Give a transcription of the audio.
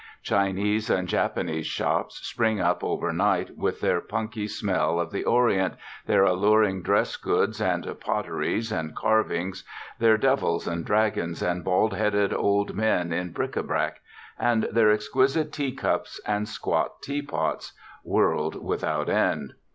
Chinese and Japanese shops spring up over night with their punky smell of the Orient, their allurini* dress goods and potter ies and carvings, their devils and dragons and bald headed old men in bric a brac, and their ex quisite teacups and squat teapots, world without^ end.